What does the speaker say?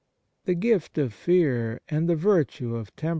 2 The gift of fear and the virtue of tem 1 Isa.